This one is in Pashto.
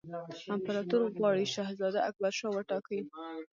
امپراطور غواړي شهزاده اکبرشاه وټاکي.